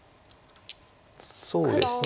そうですね